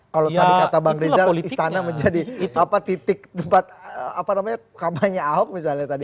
kalau tadi kata bang reza istana menjadi titik tempat apa namanya kamarnya ahok misalnya tadi